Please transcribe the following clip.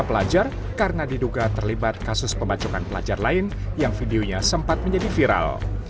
pelajar karena diduga terlibat kasus pembacokan pelajar lain yang videonya sempat menjadi viral